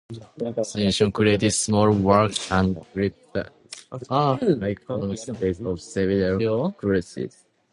Stylianos created small works and gilded the iconostasis of several churches.